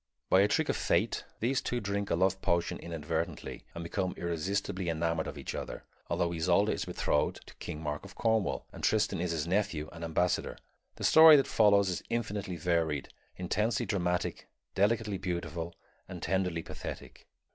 By a trick of fate these two drink a love potion inadvertently and become irresistibly enamored of each other, although Isolde is betrothed to King Mark of Cornwall, and Tristan is his nephew and ambassador. The story that follows is infinitely varied, intensely dramatic, delicately beautiful, and tenderly pathetic.